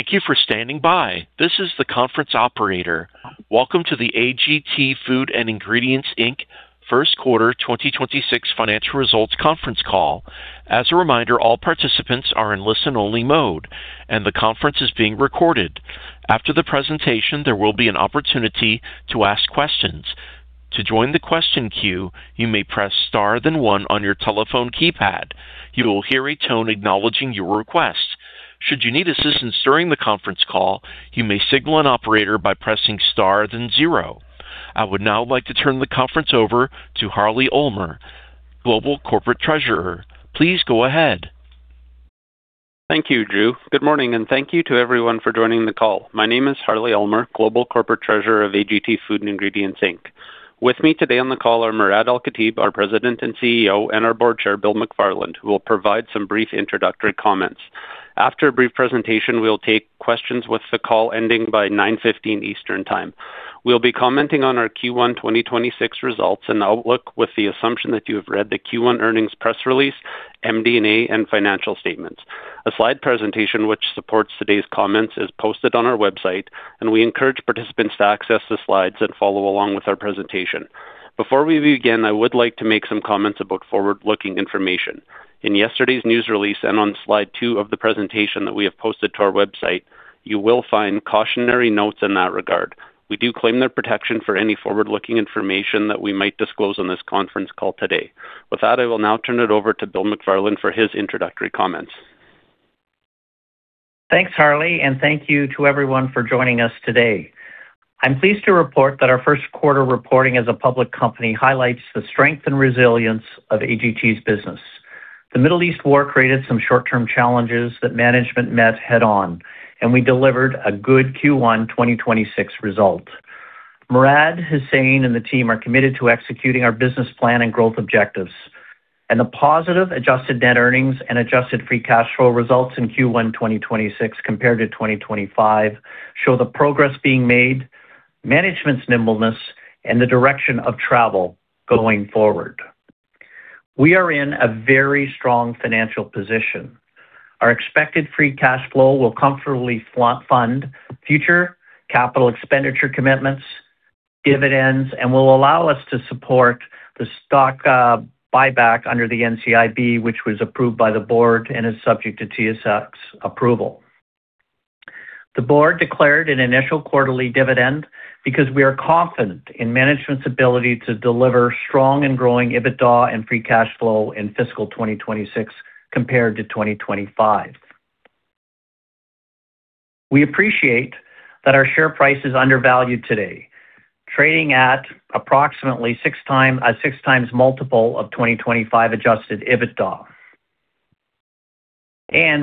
Thank you for standing by. This is the conference operator. Welcome to the AGT Food and Ingredients Inc. Q1 2026 Financial Results Conference Call. As a reminder, all participants are in listen-only mode, and the conference is being recorded. After the presentation, there will be an opportunity to ask questions. To join the question queue, you may press star then one on your telephone keypad. You will hear a tone acknowledging your request. Should you need assistance during the conference call, you may signal an operator by pressing star then zero. I would now like to turn the conference over to Harley Ulmer, Global Corporate Treasurer. Please go ahead. Thank you, Drew. Good morning, and thank you to everyone for joining the call. My name is Harley Ulmer, Global Corporate Treasurer of AGT Food and Ingredients Inc. With me today on the call are Murad Al-Katib, our President and CEO, and our Board Chair, Bill McFarland, who will provide some brief introductory comments. After a brief presentation, we'll take questions with the call ending by 9:50 Eastern Time. We'll be commenting on our Q1 2026 results and outlook with the assumption that you have read the Q1 earnings press release, MD&A, and financial statements. A slide presentation which supports today's comments is posted on our website, and we encourage participants to access the slides and follow along with our presentation. Before we begin, I would like to make some comments about forward-looking information. In yesterday's news release and on slide two of the presentation that we have posted to our website, you will find cautionary notes in that regard. We do claim their protection for any forward-looking information that we might disclose on this conference call today. With that, I will now turn it over to Bill McFarland for his introductory comments. Thanks, Harley, thank you to everyone for joining us today. I'm pleased to report that our Q1 reporting as a public company highlights the strength and resilience of AGT's business. The Middle East war created some short-term challenges that management met head-on, we delivered a good Q1 2026 result. Murad, Huseyin, and the team are committed to executing our business plan and growth objectives, the positive adjusted net earnings and adjusted free cash flow results in Q1 2026 compared to 2025 show the progress being made, management's nimbleness, and the direction of travel going forward. We are in a very strong financial position. Our expected free cash flow will comfortably fund future capital expenditure commitments, dividends, and will allow us to support the stock buyback under the NCIB, which was approved by the board and is subject to TSX approval. The board declared an initial quarterly dividend because we are confident in management's ability to deliver strong and growing EBITDA and free cash flow in fiscal 2026 compared to 2025. We appreciate that our share price is undervalued today, trading at approximately a 6x multiple of 2025 adjusted EBITDA.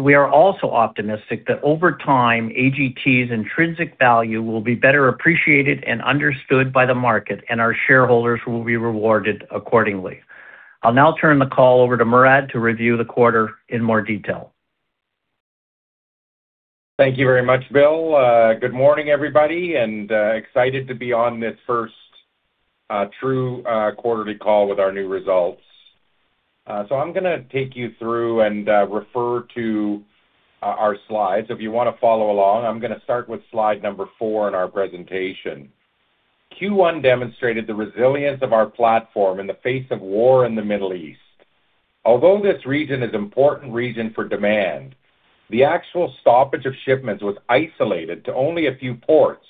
We are also optimistic that over time, AGT's intrinsic value will be better appreciated and understood by the market, and our shareholders will be rewarded accordingly. I'll now turn the call over to Murad to review the quarter in more detail. Thank you very much, Bill. Good morning, everybody, excited to be on this first true quarterly call with our new results. I'm gonna take you through and refer to our slides. If you wanna follow along, I'm gonna start with slide number four in our presentation. Q1 demonstrated the resilience of our platform in the face of war in the Middle East. Although this region is important region for demand, the actual stoppage of shipments was isolated to only a few ports,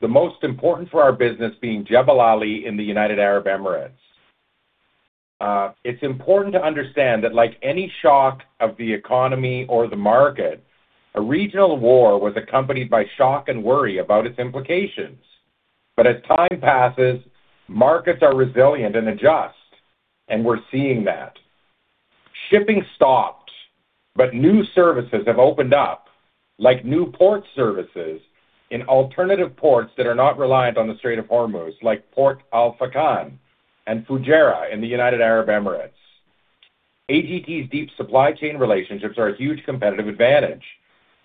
the most important for our business being Jebel Ali in the United Arab Emirates. It's important to understand that like any shock of the economy or the market, a regional war was accompanied by shock and worry about its implications. As time passes, markets are resilient and adjust, and we're seeing that. Shipping stopped, new services have opened up, like new port services in alternative ports that are not reliant on the Strait of Hormuz, like Khor Fakkan and Fujairah in the United Arab Emirates. AGT's deep supply chain relationships are a huge competitive advantage.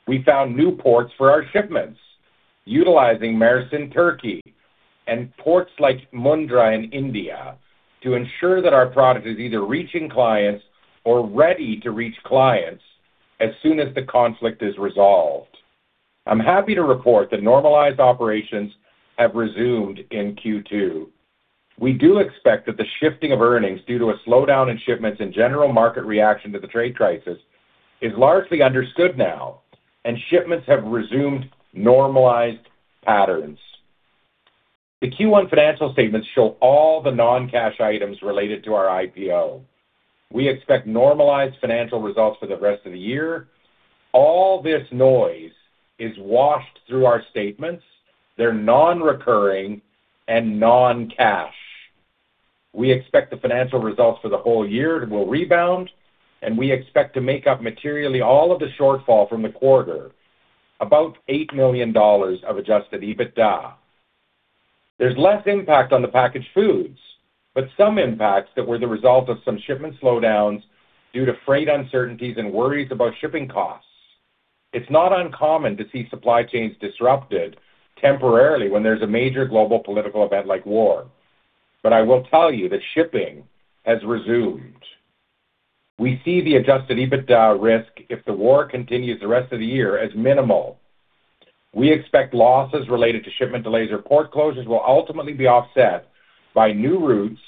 We found new ports for our shipments, utilizing Mersin, Turkey, and ports like Mundra in India to ensure that our product is either reaching clients or ready to reach clients as soon as the conflict is resolved. I'm happy to report that normalized operations have resumed in Q2. We do expect that the shifting of earnings due to a slowdown in shipments and general market reaction to the trade crisis is largely understood now, and shipments have resumed normalized patterns. The Q1 financial statements show all the non-cash items related to our IPO. We expect normalized financial results for the rest of the year. All this noise is washed through our statements. They're non-recurring and non-cash. We expect the financial results for the whole year will rebound. We expect to make up materially all of the shortfall from the quarter, about 8 million dollars of adjusted EBITDA. There's less impact on the packaged foods. Some impacts that were the result of some shipment slowdowns due to freight uncertainties and worries about shipping costs. It's not uncommon to see supply chains disrupted temporarily when there's a major global political event like war. I will tell you that shipping has resumed. We see the adjusted EBITDA risk if the war continues the rest of the year as minimal. We expect losses related to shipment delays or port closures will ultimately be offset by new routes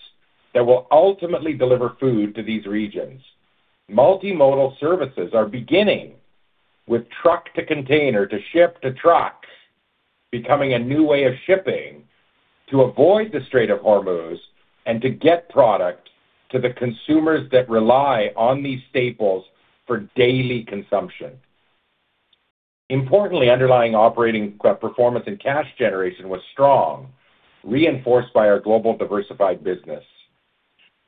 that will ultimately deliver food to these regions. Multimodal services are beginning with truck to container to ship to truck becoming a new way of shipping to avoid the Strait of Hormuz and to get product to the consumers that rely on these staples for daily consumption. Importantly, underlying operating performance and cash generation was strong, reinforced by our global diversified business.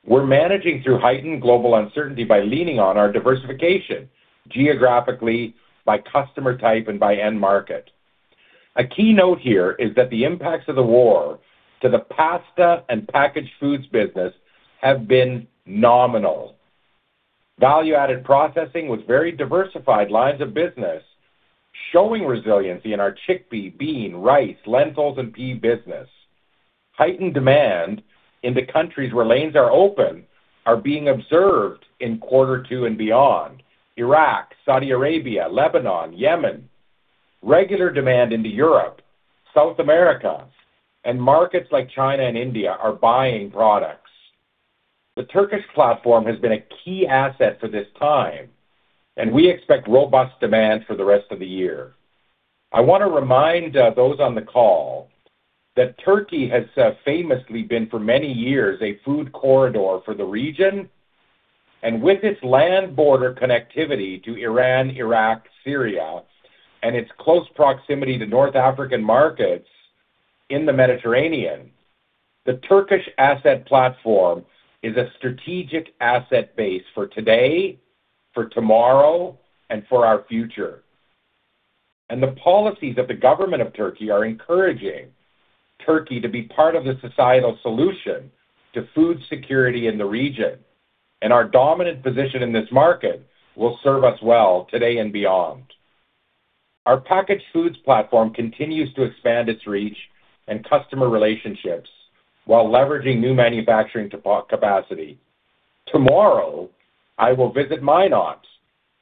We're managing through heightened global uncertainty by leaning on our diversification geographically by customer type and by end market. A key note here is that the impacts of the war to the pasta and packaged foods business have been nominal. Value-added processing with very diversified lines of business, showing resiliency in our chickpea, bean, rice, lentils, and pea business. Heightened demand in the countries where lanes are open are being observed in Q2 and beyond. Iraq, Saudi Arabia, Lebanon, Yemen. Regular demand into Europe, South America, and markets like China and India are buying products. The Turkish platform has been a key asset for this time, and we expect robust demand for the rest of the year. I want to remind those on the call that Turkey has famously been for many years a food corridor for the region. With its land border connectivity to Iran, Iraq, Syria, and its close proximity to North African markets in the Mediterranean, the Turkish asset platform is a strategic asset base for today, for tomorrow, and for our future. The policies of the government of Turkey are encouraging Turkey to be part of the societal solution to food security in the region, and our dominant position in this market will serve us well today and beyond. Our packaged foods platform continues to expand its reach and customer relationships while leveraging new manufacturing capacity. Tomorrow, I will visit Minot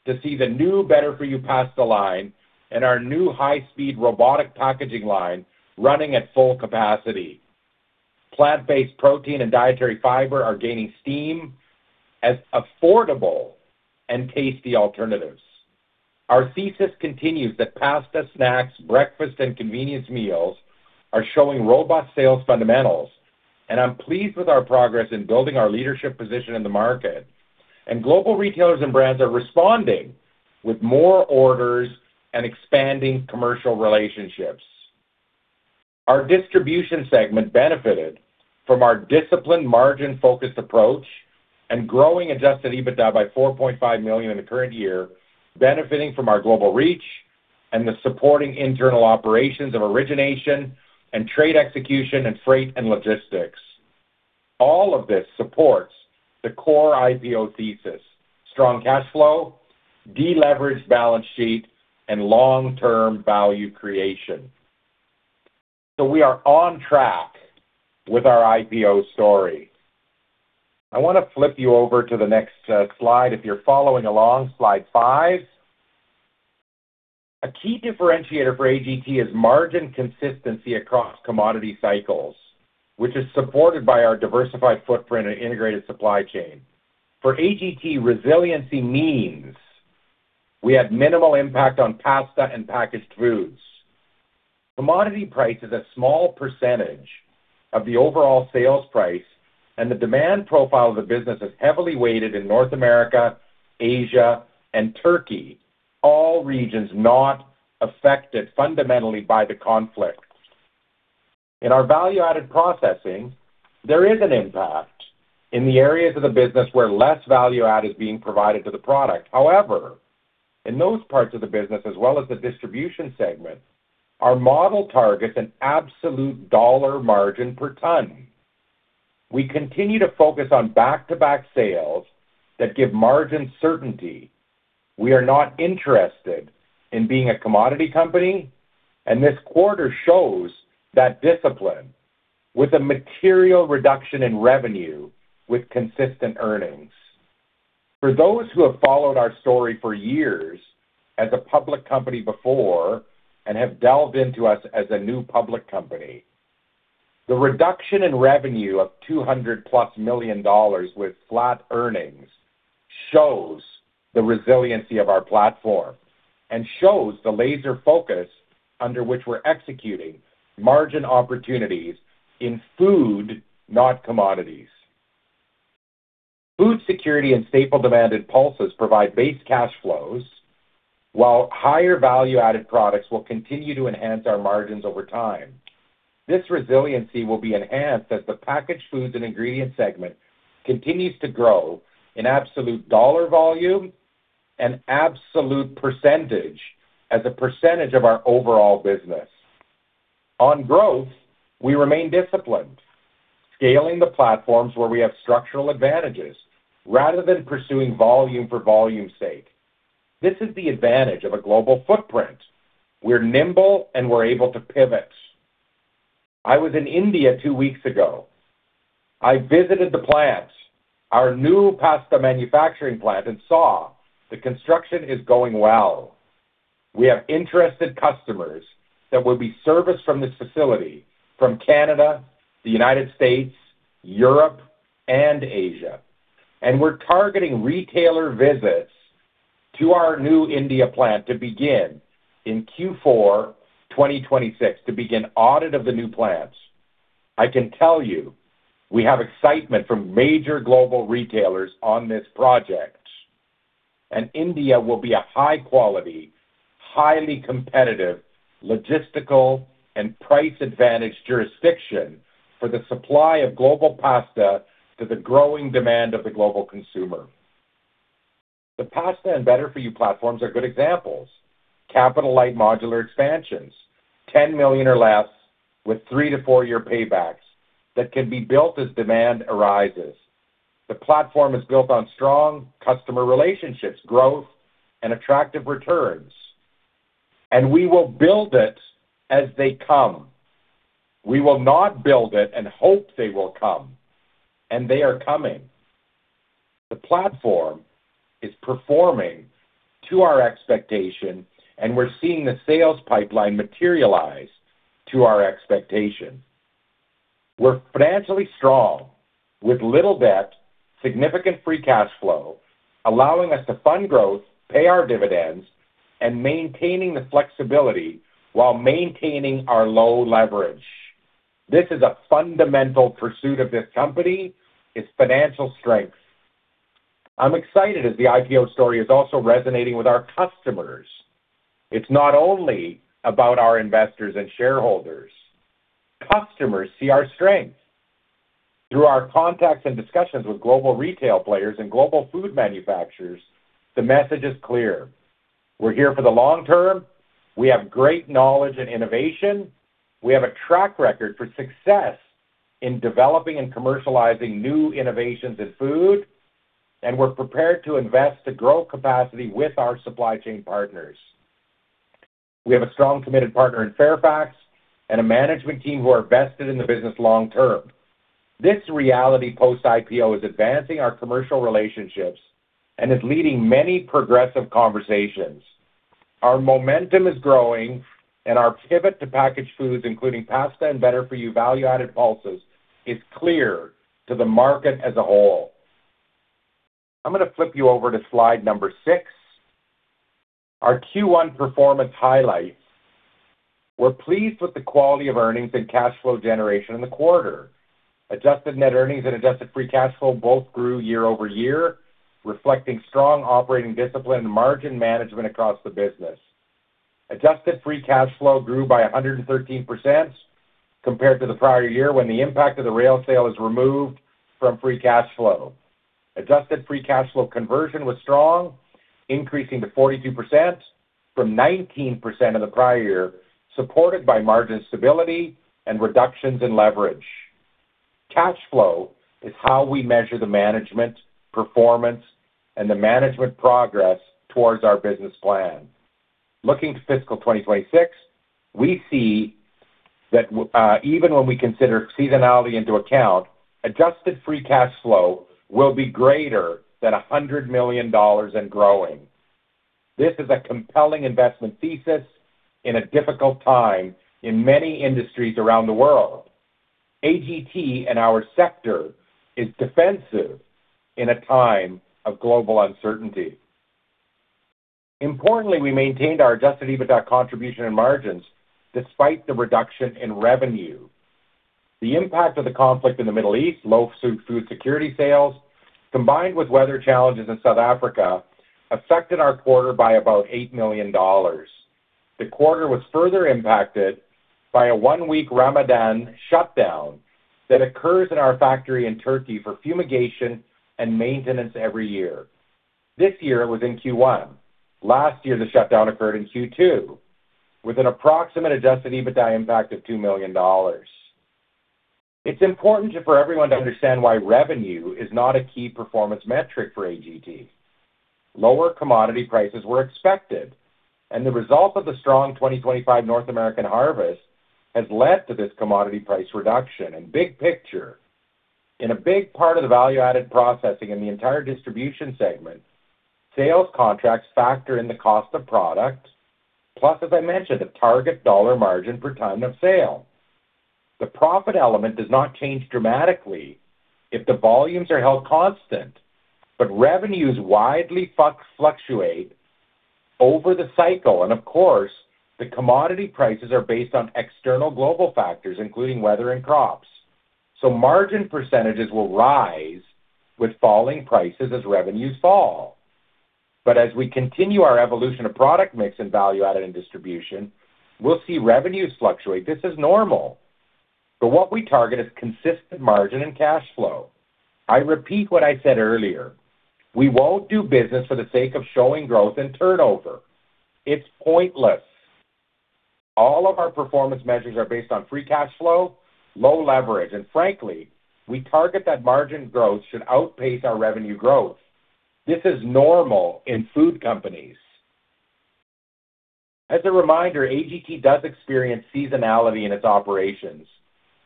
to see the new Better For You pasta line and our new high-speed robotic packaging line running at full capacity. Plant-based protein and dietary fiber are gaining steam as affordable and tasty alternatives. Our thesis continues that pasta, snacks, breakfast, and convenience meals are showing robust sales fundamentals, and I'm pleased with our progress in building our leadership position in the market. Global retailers and brands are responding with more orders and expanding commercial relationships. Our distribution segment benefited from our disciplined margin-focused approach and growing adjusted EBITDA by 4.5 million in the current year, benefiting from our global reach and the supporting internal operations of origination and trade execution and freight and logistics. All of this supports the core IPO thesis, strong cash flow, deleveraged balance sheet, and long-term value creation. We are on track with our IPO story. I wanna flip you over to the next slide if you're following along, slide five. A key differentiator for AGT is margin consistency across commodity cycles, which is supported by our diversified footprint and integrated supply chain. For AGT, resiliency means we have minimal impact on pasta and packaged foods. Commodity price is a small % of the overall sales price, and the demand profile of the business is heavily weighted in North America, Asia, and Turkey, all regions not affected fundamentally by the conflict. In our value-added processing, there is an impact in the areas of the business where less value add is being provided to the product. However, in those parts of the business as well as the distribution segment, our model targets an absolute dollar margin per ton. We continue to focus on back-to-back sales that give margin certainty. We are not interested in being a commodity company, and this quarter shows that discipline with a material reduction in revenue with consistent earnings. For those who have followed our story for years as a public company before and have delved into us as a new public company, the reduction in revenue of 200 plus million with flat earnings shows the resiliency of our platform and shows the laser focus under which we're executing margin opportunities in food, not commodities. Food security and staple demanded pulses provide base cash flows, while higher value-added products will continue to enhance our margins over time. This resiliency will be enhanced as the packaged foods and ingredients segment continues to grow in absolute dollar volume and absolute percentage as a percentage of our overall business. On growth, we remain disciplined, scaling the platforms where we have structural advantages rather than pursuing volume for volume's sake. This is the advantage of a global footprint. We're nimble, and we're able to pivot. I was in India two weeks ago. I visited the plant, our new pasta manufacturing plant, and saw the construction is going well. We have interested customers that will be serviced from this facility from Canada, the U.S., Europe, and Asia. We're targeting retailer visits to our new India plant to begin in Q4 2026 to begin audit of the new plants. I can tell you we have excitement from major global retailers on this project, and India will be a high-quality, highly competitive logistical and price advantage jurisdiction for the supply of global pasta to the growing demand of the global consumer. The pasta and Better For You platforms are good examples. Capital-light modular expansions, 10 million or less with three to four year paybacks that can be built as demand arises. The platform is built on strong customer relationships, growth and attractive returns. We will build it as they come. We will not build it and hope they will come. They are coming. The platform is performing to our expectation. We're seeing the sales pipeline materialize to our expectation. We're financially strong with little debt, significant free cash flow, allowing us to fund growth, pay our dividends and maintaining the flexibility while maintaining our low leverage. This is a fundamental pursuit of this company, its financial strength. I'm excited as the IPO story is also resonating with our customers. It's not only about our investors and shareholders. Customers see our strength. Through our contacts and discussions with global retail players and global food manufacturers, the message is clear: We're here for the long term. We have great knowledge and innovation. We have a track record for success in developing and commercializing new innovations in food, and we're prepared to invest to grow capacity with our supply chain partners. We have a strong, committed partner in Fairfax and a management team who are vested in the business long term. This reality post IPO is advancing our commercial relationships and is leading many progressive conversations. Our momentum is growing and our pivot to packaged foods, including pasta and Better For You value-added pulses, is clear to the market as a whole. I'm gonna flip you over to slide number six, our Q1 performance highlights. We're pleased with the quality of earnings and cash flow generation in the quarter. Adjusted net earnings and adjusted free cash flow both grew year-over-year, reflecting strong operating discipline and margin management across the business. Adjusted free cash flow grew by 113% compared to the prior year when the impact of the rail sale is removed from free cash flow. Adjusted free cash flow conversion was strong, increasing to 42% from 19% in the prior year, supported by margin stability and reductions in leverage. Cash flow is how we measure the management performance and the management progress towards our business plan. Looking to fiscal 2026, we see that even when we consider seasonality into account, adjusted free cash flow will be greater than 100 million dollars and growing. This is a compelling investment thesis in a difficult time in many industries around the world. AGT and our sector is defensive in a time of global uncertainty. Importantly, we maintained our adjusted EBITDA contribution and margins despite the reduction in revenue. The impact of the conflict in the Middle East, low food security sales, combined with weather challenges in South Africa, affected our quarter by about 8 million dollars. The quarter was further impacted by a one-week Ramadan shutdown that occurs in our factory in Turkey for fumigation and maintenance every year. This year it was in Q1. Last year, the shutdown occurred in Q2 with an approximate adjusted EBITDA impact of 2 million dollars. It's important for everyone to understand why revenue is not a key performance metric for AGT. Lower commodity prices were expected, and the result of the strong 2025 North American harvest has led to this commodity price reduction. Big picture, in a big part of the value-added processing and the entire distribution segment, sales contracts factor in the cost of product, plus, as I mentioned, the target dollar margin per ton of sale. The profit element does not change dramatically if the volumes are held constant, revenues widely fluctuate over the cycle. Of course, the commodity prices are based on external global factors, including weather and crops. Margin percent will rise with falling prices as revenues fall. As we continue our evolution of product mix and value-added and distribution, we'll see revenues fluctuate. This is normal. What we target is consistent margin and cash flow. I repeat what I said earlier. We won't do business for the sake of showing growth and turnover. It's pointless. All of our performance measures are based on free cash flow, low leverage, and frankly, we target that margin growth should outpace our revenue growth. This is normal in food companies. As a reminder, AGT does experience seasonality in its operations,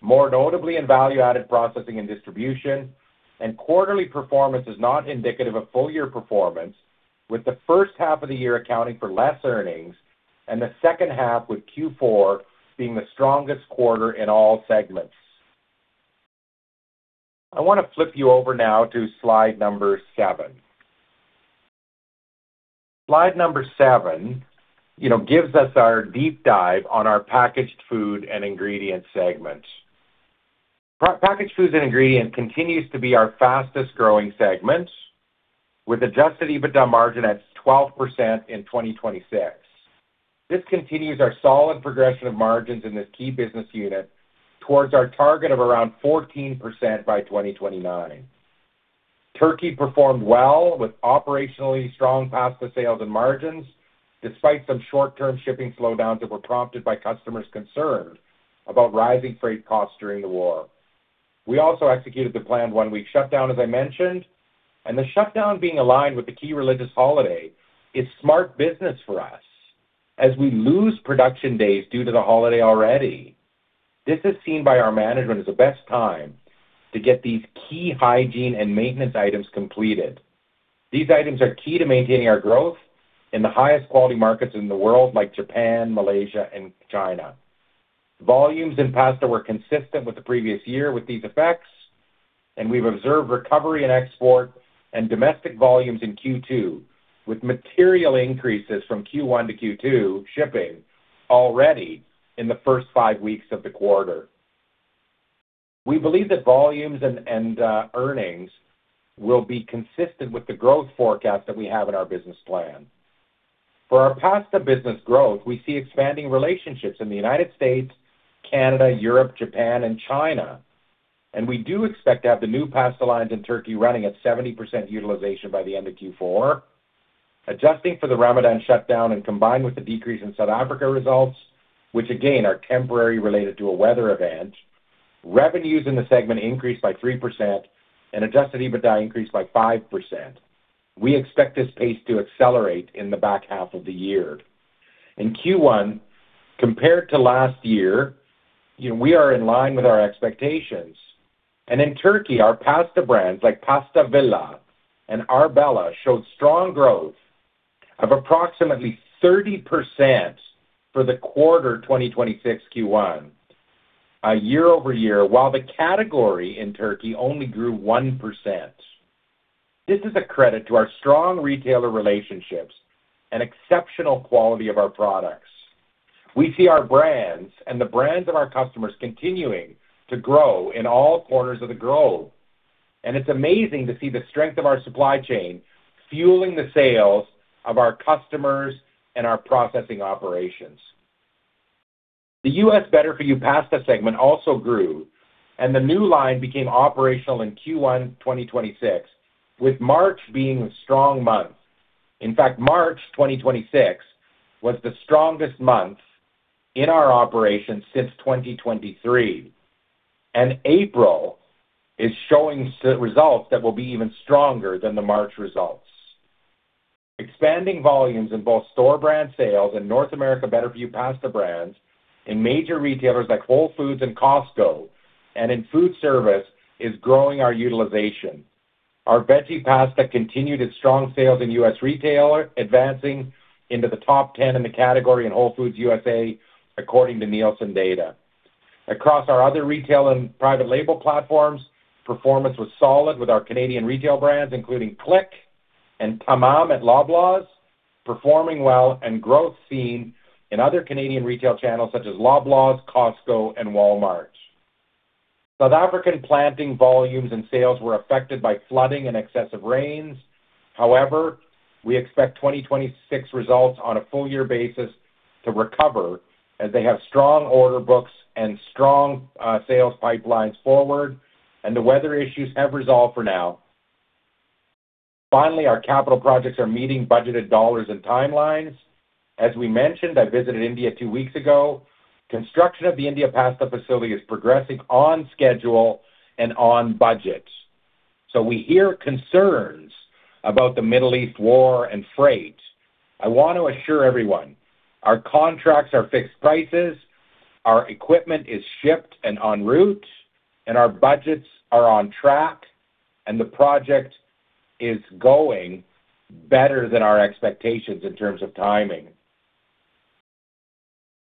more notably in value-added processing and distribution, and quarterly performance is not indicative of full-year performance, with the H1 of the year accounting for less earnings and the H2 with Q4 being the strongest quarter in all segments. I wanna flip you over now to slide number seven. Slide number seven, you know, gives us our deep dive on our Packaged Food and Ingredient Segment. Packaged Foods and Ingredient continues to be our fastest-growing segment, with adjusted EBITDA margin at 12% in 2026. This continues our solid progression of margins in this key business unit towards our target of around 14% by 2029. Turkey performed well with operationally strong pasta sales and margins, despite some short-term shipping slowdowns that were prompted by customers concerned about rising freight costs during the war. We also executed the planned one-week shutdown, as I mentioned, and the shutdown being aligned with the key religious holiday is smart business for us as we lose production days due to the holiday already. This is seen by our management as the best time to get these key hygiene and maintenance items completed. These items are key to maintaining our growth in the highest quality markets in the world, like Japan, Malaysia, and China. Volumes in pasta were consistent with the previous year with these effects, and we've observed recovery in export and domestic volumes in Q2, with material increases from Q1 to Q2 shipping already in the first five weeks of the quarter. We believe that volumes and earnings will be consistent with the growth forecast that we have in our business plan. For our pasta business growth, we see expanding relationships in the United States, Canada, Europe, Japan, and China, and we do expect to have the new pasta lines in Turkey running at 70% utilization by the end of Q4. Adjusting for the Ramadan shutdown and combined with the decrease in South Africa results, which again are temporary related to a weather event, revenues in the segment increased by 3% and adjusted EBITDA increased by 5%. We expect this pace to accelerate in the back half of the year. In Q1, compared to last year, you know, we are in line with our expectations. In Turkey, our pasta brands like Pastavilla and Arbella showed strong growth of approximately 30% for the quarter 2026 Q1 year-over-year, while the category in Turkey only grew 1%. This is a credit to our strong retailer relationships and exceptional quality of our products. We see our brands and the brands of our customers continuing to grow in all corners of the globe. It's amazing to see the strength of our supply chain fueling the sales of our customers and our processing operations. The U.S. Better For You pasta segment also grew. The new line became operational in Q1 2026, with March being a strong month. In fact, March 2026 was the strongest month in our operations since 2023. April is showing results that will be even stronger than the March results. Expanding volumes in both store brand sales and North America Better For You pasta brands in major retailers like Whole Foods and Costco and in food service is growing our utilization. Our veggie pasta continued its strong sales in U.S. retail, advancing into the top ten in the category in Whole Foods USA, according to Nielsen data. Across our other retail and private label platforms, performance was solid with our Canadian retail brands, including Clic and Tamam at Loblaws, performing well, and growth seen in other Canadian retail channels such as Loblaws, Costco, and Walmart. South African planting volumes and sales were affected by flooding and excessive rains. However, we expect 2026 results on a full-year basis to recover as they have strong order books and strong sales pipelines forward and the weather issues have resolved for now. Finally, our capital projects are meeting budgeted dollars and timelines. As we mentioned, I visited India two weeks ago. Construction of the India pasta facility is progressing on schedule and on budget. We hear concerns about the Middle East war and freight. I want to assure everyone our contracts are fixed prices, our equipment is shipped and on route, and our budgets are on track, and the project is going better than our expectations in terms of timing.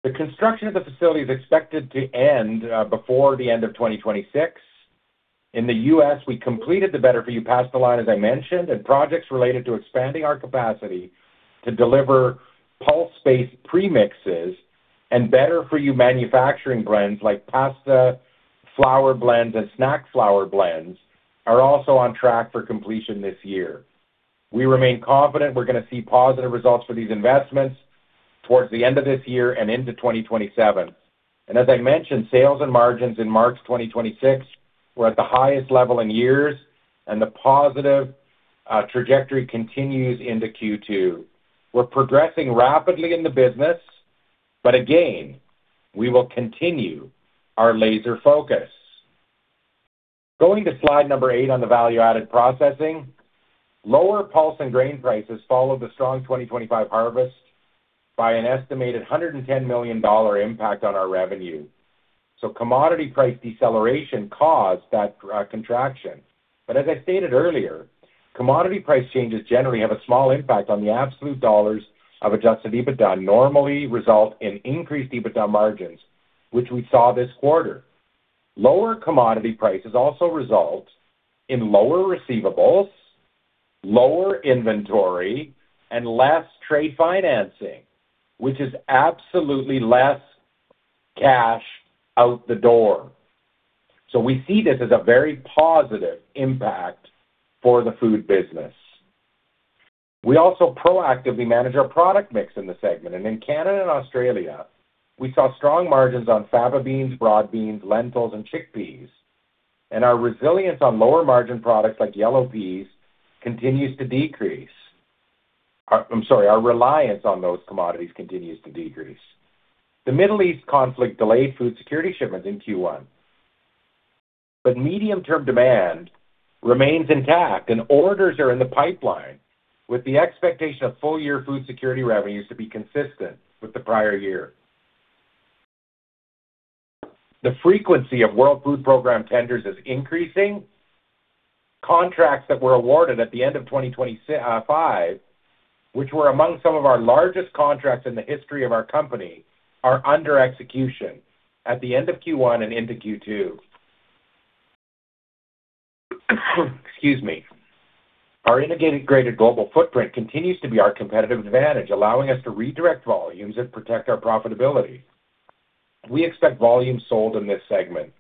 The construction of the facility is expected to end before the end of 2026. In the U.S., we completed the Better For You pasta line, as I mentioned, and projects related to expanding our capacity to deliver pulse-based premixes and Better For You manufacturing brands like pasta, flour blends, and snack flour blends, are also on track for completion this year. We remain confident we're gonna see positive results for these investments towards the end of this year and into 2027. As I mentioned, sales and margins in March 2026 were at the highest level in years, and the positive trajectory continues into Q2. We're progressing rapidly in the business, but again, we will continue our laser focus. Going to slide number eight on the value-added processing. Lower pulse and grain prices followed the strong 2025 harvest by an estimated 110 million dollar impact on our revenue. Commodity price deceleration caused that contraction. As I stated earlier, commodity price changes generally have a small impact on the absolute dollars of adjusted EBITDA normally result in increased EBITDA margins, which we saw this quarter. Lower commodity prices also result in lower receivables, lower inventory, and less trade financing, which is absolutely less cash out the door. We see this as a very positive impact for the food business. We also proactively manage our product mix in the segment, and in Canada and Australia, we saw strong margins on fava beans, broad beans, lentils, and chickpeas. Our resilience on lower margin products like yellow peas continues to decrease. I'm sorry, our reliance on those commodities continues to decrease. The Middle East conflict delayed food security shipments in Q1, but medium-term demand remains intact and orders are in the pipeline, with the expectation of full-year food security revenues to be consistent with the prior year. The frequency of World Food Programme tenders is increasing. Contracts that were awarded at the end of 2025, which were among some of our largest contracts in the history of our company, are under execution at the end of Q1 and into Q2. Excuse me. Our integrated global footprint continues to be our competitive advantage, allowing us to redirect volumes and protect our profitability. We expect volumes sold in this segment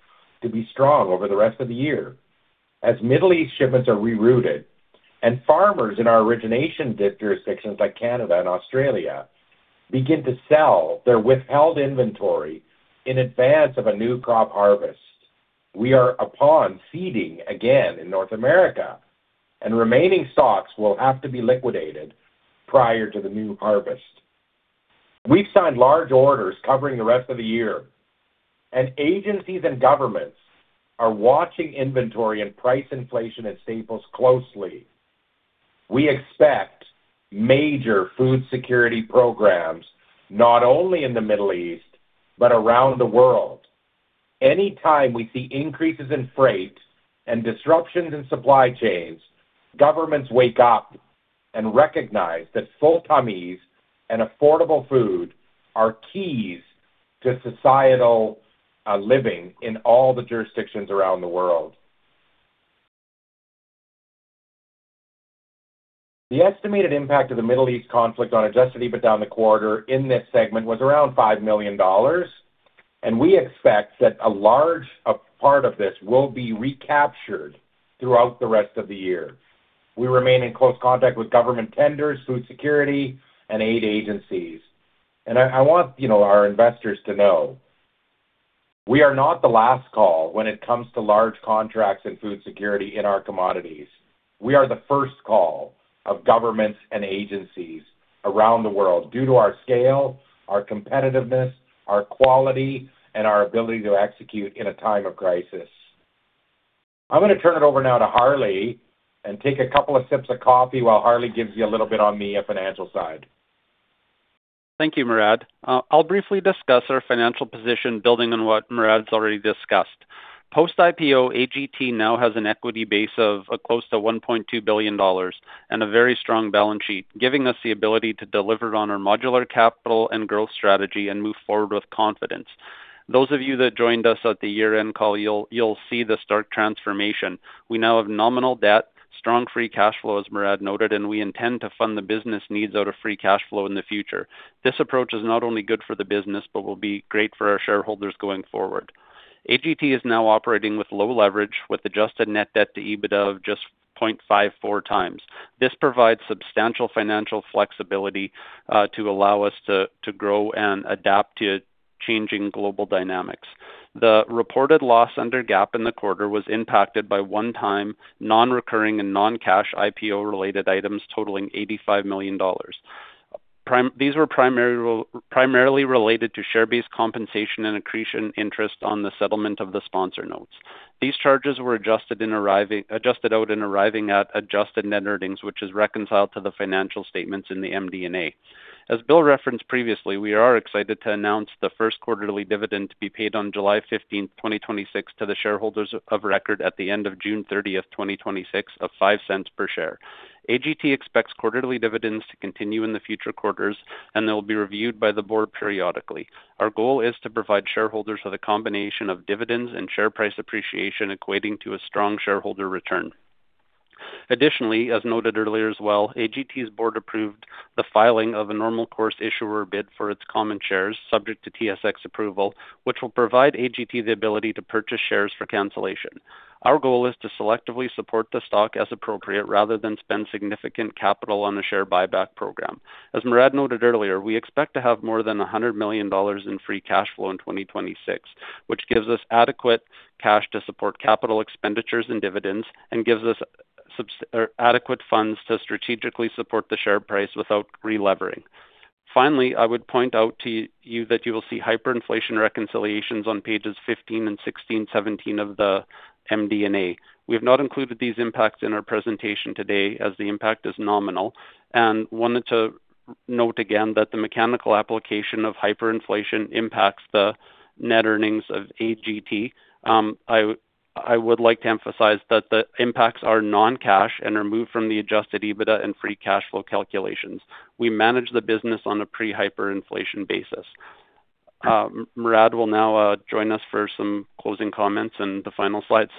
to be strong over the rest of the year as Middle East shipments are rerouted and farmers in our origination jurisdictions like Canada and Australia begin to sell their withheld inventory in advance of a new crop harvest. We are upon seeding again in North America, and remaining stocks will have to be liquidated prior to the new harvest. We've signed large orders covering the rest of the year, and agencies and governments are watching inventory and price inflation at staples closely. We expect major food security programs, not only in the Middle East, but around the world. Any time we see increases in freight and disruptions in supply chains, governments wake up and recognize that full tummies and affordable food are keys to societal living in all the jurisdictions around the world. The estimated impact of the Middle East conflict on adjusted EBITDA in the quarter in this segment was around 5 million dollars. We expect that a large part of this will be recaptured throughout the rest of the year. We remain in close contact with government tenders, food security, and aid agencies. I want, you know, our investors to know we are not the last call when it comes to large contracts and food security in our commodities. We are the first call of governments and agencies around the world due to our scale, our competitiveness, our quality, and our ability to execute in a time of crisis. I'm gonna turn it over now to Harley and take a couple of sips of coffee while Harley gives you a little bit on the financial side. Thank you, Murad. I'll briefly discuss our financial position building on what Murad's already discussed. Post-IPO, AGT now has an equity base of close to 1.2 billion dollars and a very strong balance sheet, giving us the ability to deliver on our modular capital and growth strategy and move forward with confidence. Those of you that joined us at the year-end call, you'll see the start transformation. We now have nominal debt, strong free cash flow, as Murad noted. We intend to fund the business needs out of free cash flow in the future. This approach is not only good for the business, but will be great for our shareholders going forward. AGT is now operating with low leverage with adjusted net debt to EBITDA of just 0.54x. This provides substantial financial flexibility to allow us to grow and adapt to changing global dynamics. The reported loss under GAAP in the quarter was impacted by one-time non-recurring and non-cash IPO-related items totaling CAD 85 million. These were primarily related to share-based compensation and accretion interest on the settlement of the sponsor notes. These charges were adjusted out in arriving at adjusted net earnings, which is reconciled to the financial statements in the MD&A. As Bill referenced previously, we are excited to announce the first quarterly dividend to be paid on July 15th, 2026 to the shareholders of record at the end of June 30th, 2026 of 0.05 per share. AGT expects quarterly dividends to continue in the future quarters. They'll be reviewed by the board periodically. Our goal is to provide shareholders with a combination of dividends and share price appreciation equating to a strong shareholder return. Additionally, as noted earlier as well, AGT's board approved the filing of a normal course issuer bid for its common shares subject to TSX approval, which will provide AGT the ability to purchase shares for cancellation. Our goal is to selectively support the stock as appropriate rather than spend significant capital on a share buyback program. As Murad noted earlier, we expect to have more than 100 million dollars in free cash flow in 2026, which gives us adequate cash to support capital expenditures and dividends and gives us adequate funds to strategically support the share price without relevering. Finally, I would point out to you that you will see hyperinflation reconciliations on pages 15 and 16, 17 of the MD&A. We have not included these impacts in our presentation today as the impact is nominal and wanted to note again that the mechanical application of hyperinflation impacts the net earnings of AGT. I would like to emphasize that the impacts are non-cash and are moved from the adjusted EBITDA and free cash flow calculations. We manage the business on a pre-hyperinflation basis. Murad will now join us for some closing comments and the final slides.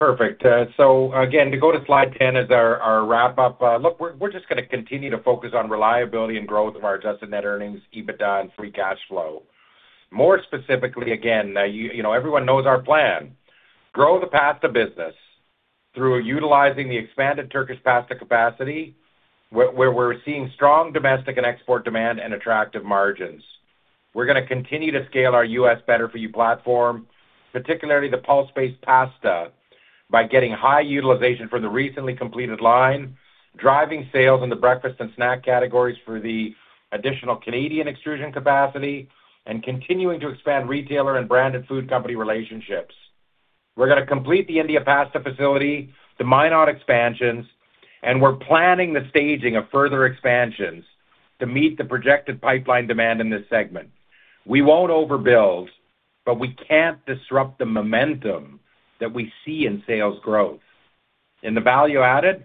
Perfect. So again, to go to slide 10 as our wrap up, look, we're just gonna continue to focus on reliability and growth of our adjusted net earnings, EBITDA, and free cash flow. More specifically, again, you know, everyone knows our plan. Grow the pasta business through utilizing the expanded Turkish pasta capacity where we're seeing strong domestic and export demand and attractive margins. We're gonna continue to scale our U.S. Better For You platform, particularly the pulse-based pasta, by getting high utilization for the recently completed line, driving sales in the breakfast and snack categories for the additional Canadian extrusion capacity, and continuing to expand retailer and branded food company relationships. We're gonna complete the India pasta facility, the Minot expansions, and we're planning the staging of further expansions to meet the projected pipeline demand in this segment. We won't overbuild, we can't disrupt the momentum that we see in sales growth. In the value added,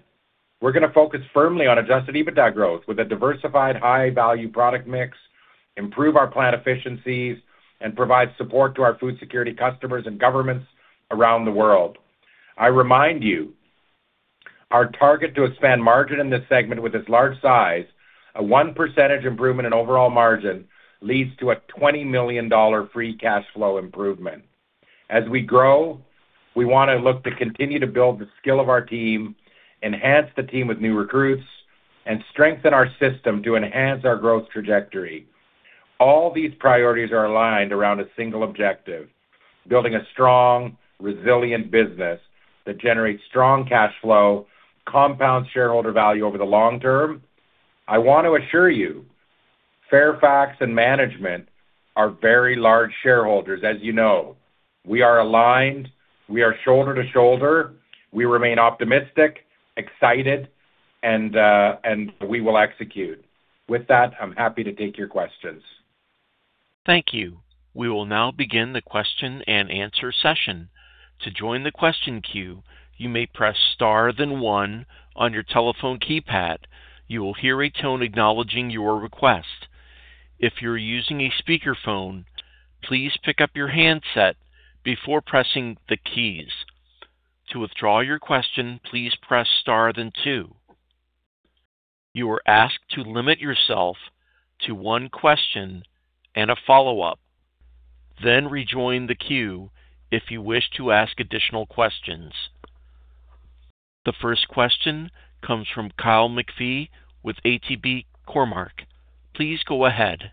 we're gonna focus firmly on adjusted EBITDA growth with a diversified high-value product mix, improve our plant efficiencies, and provide support to our food security customers and governments around the world. I remind you, our target to expand margin in this segment with its large size, a one percentage improvement in overall margin leads to a 20 million dollar free cash flow improvement. As we grow, we wanna look to continue to build the skill of our team, enhance the team with new recruits, strengthen our system to enhance our growth trajectory. All these priorities are aligned around a single objective, building a strong, resilient business that generates strong cash flow, compounds shareholder value over the long term. I want to assure you, Fairfax and management are very large shareholders, as you know. We are aligned, we are shoulder to shoulder, we remain optimistic, excited, and we will execute. With that, I'm happy to take your questions. Thank you. We will now begin the question and answer session. To join the question queue, you may press star then one on your telephone keypad. You will hear a tone acknowledging your request. If you're using a speakerphone, please pick up your handset before pressing the keys. To withdraw your question, please press star then two. You are asked to limit yourself to one question and a follow-up, then rejoin the queue if you wish to ask additional questions. The first question comes from Kyle McPhee with ATB Cormark. Please go ahead.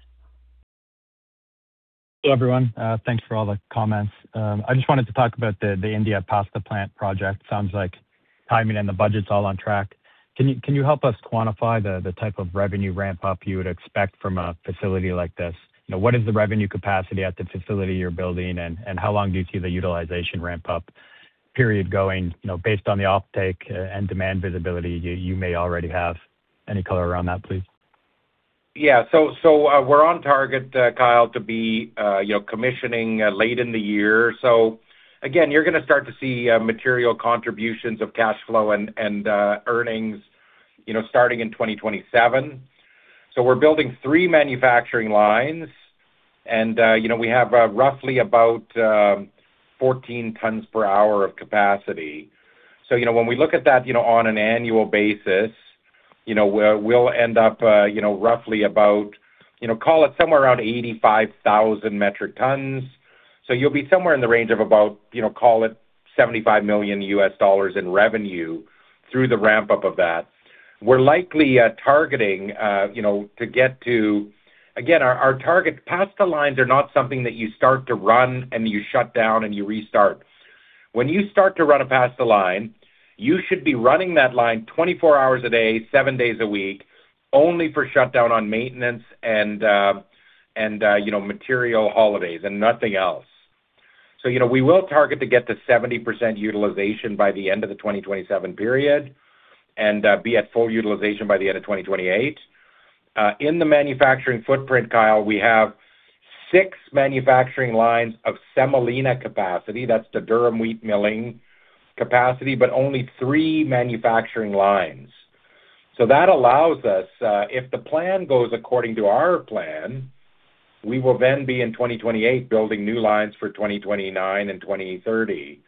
Hello, everyone. Thanks for all the comments. I just wanted to talk about the India pasta plant project. Sounds like timing and the budget's all on track. Can you help us quantify the type of revenue ramp up you would expect from a facility like this? You know, what is the revenue capacity at the facility you're building and how long do you see the utilization ramp up period going, you know, based on the offtake and demand visibility you may already have? Any color around that, please? We're on target, Kyle, to be, you know, commissioning late in the year. Again, you're gonna start to see material contributions of cash flow and earnings, you know, starting in 2027. We're building three manufacturing lines and, you know, we have roughly about 14 tons per hour of capacity. You know, when we look at that, you know, on an annual basis, you know, we'll end up, you know, roughly about, you know, call it somewhere around 85,000 metric tons. You'll be somewhere in the range of about, you know, call it $75 million in revenue through the ramp up of that. We're likely targeting, you know, to get to Again, our target pasta lines are not something that you start to run and you shut down and you restart. When you start to run a pasta line, you should be running that line 24 hours a day, seven days a week, only for shutdown on maintenance and, you know, material holidays and nothing else. You know, we will target to get to 70% utilization by the end of the 2027 period and be at full utilization by the end of 2028. In the manufacturing footprint, Kyle, we have six manufacturing lines of semolina capacity, that's the durum wheat milling capacity, but only three manufacturing lines. That allows us, if the plan goes according to our plan, we will then be in 2028 building new lines for 2029 and 2030.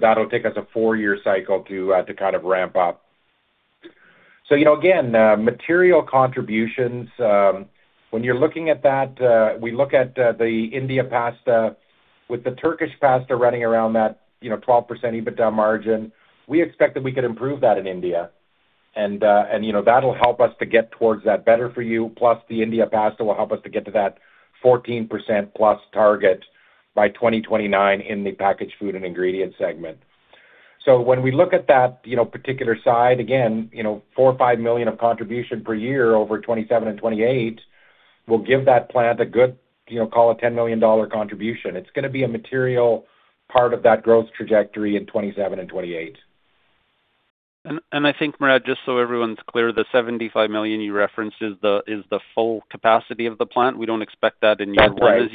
That'll take us a four-year cycle to kind of ramp up. You know, again, material contributions, when you're looking at that, we look at the India pasta with the Turkish pasta running around that, you know, 12% EBITDA margin, we expect that we could improve that in India. you know, that'll help us to get towards that Better For You, plus the India pasta will help us to get to that 14% plus target by 2029 in the packaged food and ingredient segment. When we look at that, you know, particular side, again, you know, 4 or 5 million of contribution per year over 2027 and 2028 will give that plant a good, you know, call it 10 million dollar contribution. It's going to be a material part of that growth trajectory in 2027 and 2028. I think, Murad, just so everyone's clear, the $75 million you referenced is the full capacity of the plant. We don't expect that in year. That's right.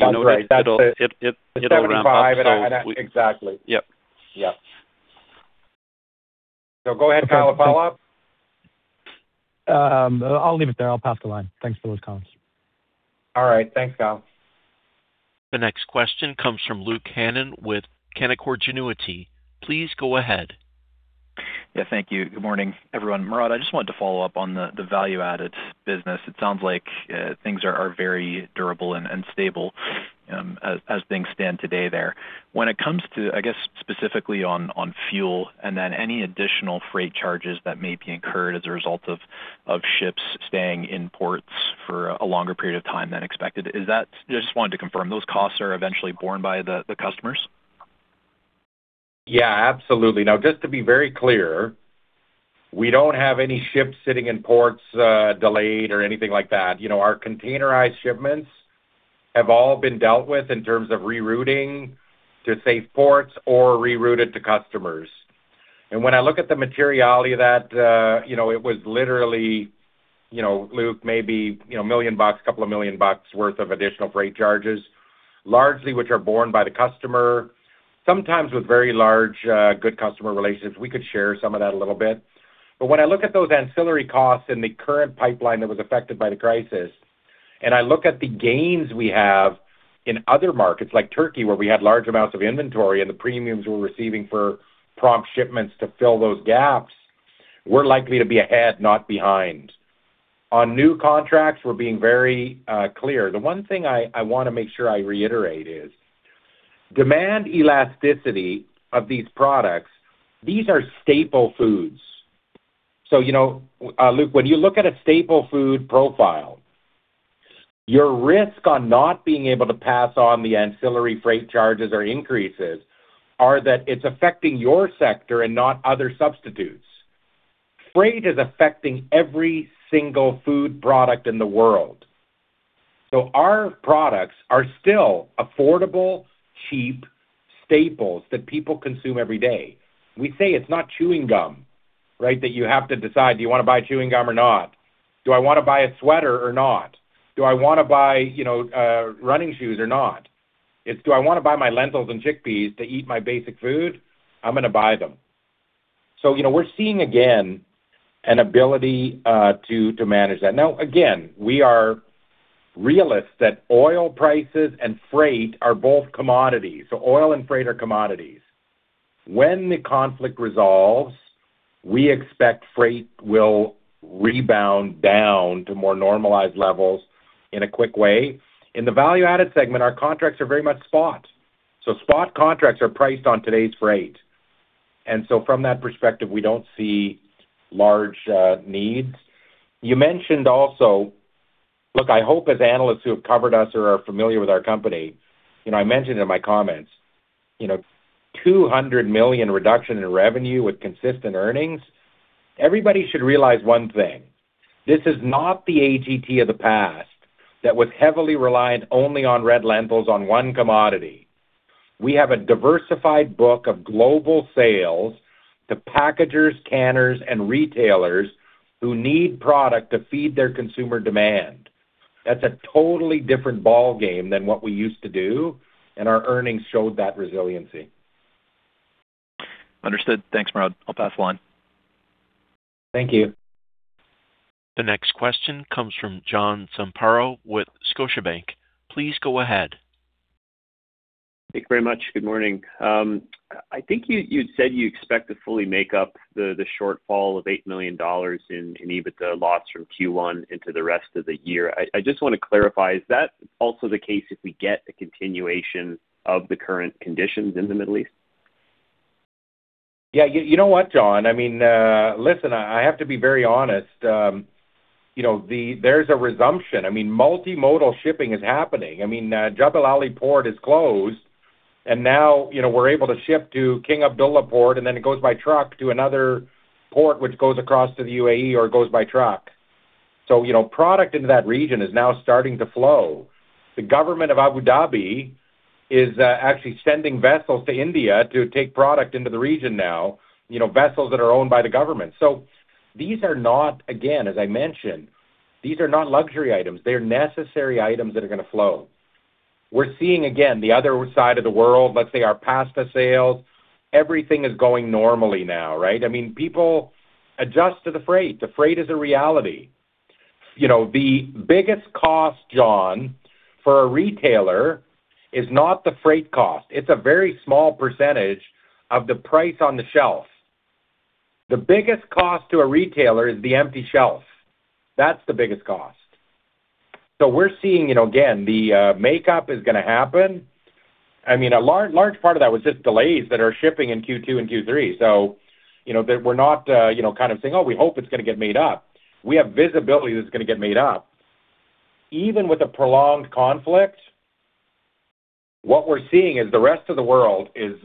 That's right. It'll ramp up. The $75, exactly. Yep. Yeah. Go ahead, Kyle. A follow-up? I'll leave it there. I'll pass the line. Thanks for those comments. All right. Thanks, Kyle. The next question comes from Luke Hannan with Canaccord Genuity. Please go ahead. Yeah, thank you. Good morning, everyone. Murad, I just wanted to follow up on the value-added business. It sounds like things are very durable and stable as things stand today there. When it comes to, I guess, specifically on fuel and then any additional freight charges that may be incurred as a result of ships staying in ports for a longer period of time than expected, Just wanted to confirm, those costs are eventually borne by the customers? Yeah, absolutely. Now, just to be very clear, we don't have any ships sitting in ports, delayed or anything like that. You know, our containerized shipments have all been dealt with in terms of rerouting to safe ports or rerouted to customers. When I look at the materiality of that, you know, it was literally, you know, Luke, maybe, you know, 1 million bucks, 2 million bucks worth of additional freight charges, largely which are borne by the customer. Sometimes with very large, good customer relationships, we could share some of that a little bit. When I look at those ancillary costs and the current pipeline that was affected by the crisis, and I look at the gains we have in other markets like Turkey, where we had large amounts of inventory and the premiums we're receiving for prompt shipments to fill those gaps, we're likely to be ahead, not behind. On new contracts, we're being very clear. The one thing I wanna make sure I reiterate is demand elasticity of these products, these are staple foods. You know, Luke, when you look at a staple food profile, your risk on not being able to pass on the ancillary freight charges or increases are that it's affecting your sector and not other substitutes. Freight is affecting every single food product in the world. Our products are still affordable, cheap staples that people consume every day. We say it's not chewing gum, right? That you have to decide, do you wanna buy chewing gum or not? Do I wanna buy a sweater or not? Do I wanna buy, you know, running shoes or not? It's do I wanna buy my lentils and chickpeas to eat my basic food? I'm gonna buy them. You know, we're seeing again an ability to manage that. Now, again, we are realists that oil prices and freight are both commodities. Oil and freight are commodities. When the conflict resolves, we expect freight will rebound down to more normalized levels in a quick way. In the value-added segment, our contracts are very much spot. Spot contracts are priced on today's freight, and so from that perspective, we don't see large needs. You mentioned also Luke, I hope as analysts who have covered us or are familiar with our company, you know, I mentioned in my comments, you know, 200 million reduction in revenue with consistent earnings. Everybody should realize one thing. This is not the AGT of the past that was heavily reliant only on red lentils on one commodity. We have a diversified book of global sales to packagers, canners, and retailers who need product to feed their consumer demand. That's a totally different ballgame than what we used to do, and our earnings showed that resiliency. Understood. Thanks, Murad. I'll pass the line. Thank you. The next question comes from John Zamparo with Scotiabank. Please go ahead. Thanks very much. Good morning. I think you said you expect to fully make up the shortfall of 8 million dollars in EBITDA loss from Q1 into the rest of the year. I just wanna clarify, is that also the case if we get a continuation of the current conditions in the Middle East? You know what, John? I mean, listen, I have to be very honest. You know, there's a resumption. I mean, multimodal shipping is happening. I mean, Jebel Ali port is closed. Now, you know, we're able to ship to King Abdullah Port, then it goes by truck to another port, which goes across to the UAE or goes by truck. You know, product into that region is now starting to flow. The government of Abu Dhabi is actually sending vessels to India to take product into the region now, you know, vessels that are owned by the government. These are not, again, as I mentioned, these are not luxury items. They are necessary items that are gonna flow. We're seeing again the other side of the world, let's say our pasta sales, everything is going normally now, right? I mean, people adjust to the freight. The freight is a reality. You know, the biggest cost, John, for a retailer is not the freight cost. It's a very small percentage of the price on the shelf. The biggest cost to a retailer is the empty shelf. That's the biggest cost. We're seeing, you know, again, the makeup is gonna happen. I mean, a large part of that was just delays that are shipping in Q2 and Q3. You know, we're not, you know, kind of saying, "Oh, we hope it's gonna get made up." We have visibility that it's gonna get made up. Even with a prolonged conflict. What we're seeing is the rest of the world is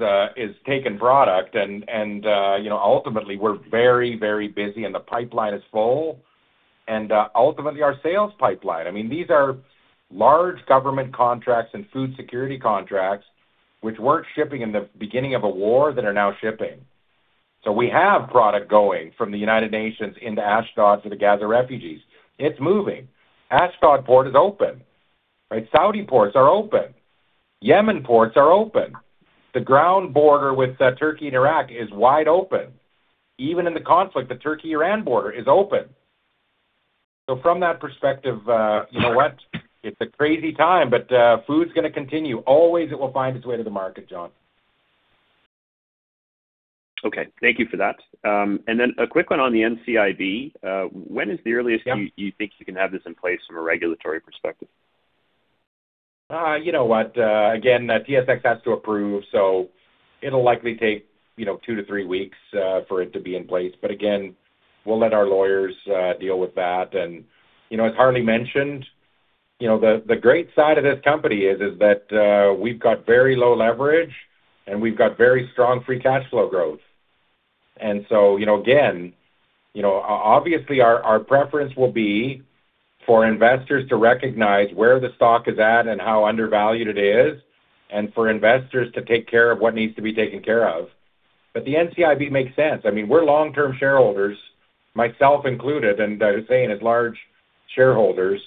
taking product and, you know, ultimately we're very, very busy and the pipeline is full, ultimately our sales pipeline. I mean, these are large government contracts and food security contracts which weren't shipping in the beginning of a war that are now shipping. We have product going from the United Nations into Ashdod to the Gaza refugees. It's moving. Ashdod Port is open, right? Saudi ports are open. Yemen ports are open. The ground border with Turkey and Iraq is wide open. Even in the conflict, the Turkey-Iran border is open. From that perspective, you know what? It's a crazy time, food's gonna continue. Always it will find its way to the market, John. Okay. Thank you for that. A quick one on the NCIB. When is the earliest you think you can have this in place from a regulatory perspective? You know what? Again, the TSX has to approve, it'll likely take, you know, two to three weeks for it to be in place. Again, we'll let our lawyers deal with that. You know, as Harley mentioned, you know, the great side of this company is that we've got very low leverage, and we've got very strong free cash flow growth. You know, again, you know, obviously, our preference will be for investors to recognize where the stock is at and how undervalued it is, and for investors to take care of what needs to be taken care of. The NCIB makes sense. I mean, we're long-term shareholders, myself included, and I'm saying as large shareholders,